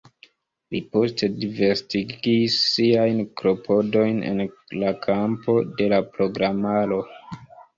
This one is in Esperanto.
Li poste disvastigis siajn klopodojn en la kampo de la programaro.